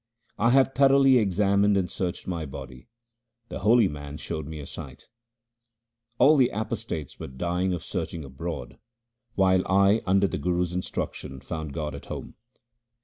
I have thoroughly examined and searched my body ; the holy man showed me a sight — All the apostates were dying of searching abroad, while I under the Guru's instruction found God at home.